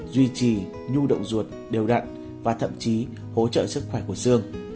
duy trì nhu động ruột đều đặn và thậm chí hỗ trợ sức khỏe của xương